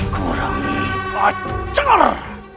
kau ini pacar